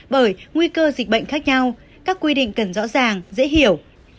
bởi nguy cơ dịch bệnh khác nhau các quy định cần rõ ràng dễ hiểu